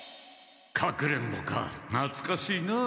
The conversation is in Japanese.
隠れんぼかなつかしいなあ。